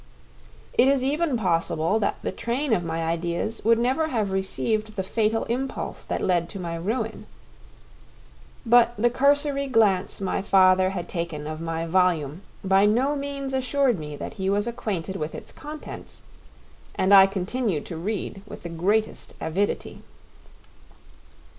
It is even possible that the train of my ideas would never have received the fatal impulse that led to my ruin. But the cursory glance my father had taken of my volume by no means assured me that he was acquainted with its contents, and I continued to read with the greatest avidity.